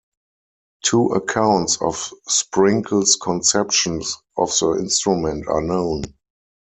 Two accounts of Sprinkle's conception of the instrument are known.